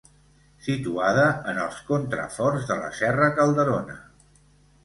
Situada en els contraforts de la Serra Calderona.